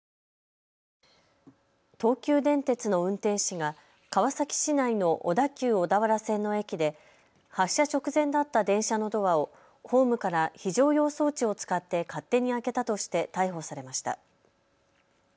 東急電鉄の運転士が川崎市内の小田急小田原線の駅で発車直前だった電車のドアをホームから非常用装置を使って勝手に開けたとして逮捕されました。